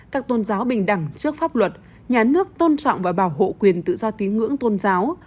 các tôn giáo bình đẳng trước pháp luật nhà nước tôn trọng và bảo hộ quyền tự do tín ngưỡng tôn giáo